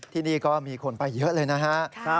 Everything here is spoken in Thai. ที่นี่ก็มีคนไปเยอะเลยนะฮะ